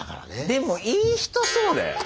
でもいい人そうだよ。